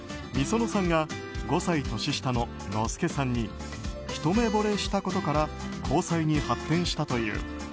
ｍｉｓｏｎｏさんが５歳年下のＮｏｓｕｋｅさんにひと目ぼれしたことから交際に発展したという。